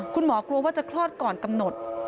คุณหมอกลัวว่าจะคลอดก่อนกำหนด